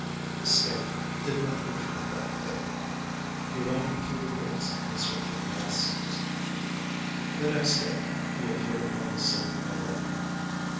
The scamp did not return that day. He wandered through the woods in search of nests. The next day he appeared upon the scene again.